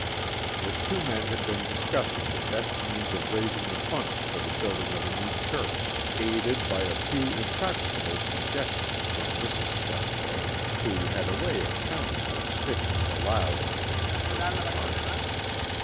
The two men had been discussing the best means of raising the funds for the building of a new church, aided by a few impracticable suggestions from Mrs. Chepstow, who had a way of counting her stitches aloud in the midst of her remarks.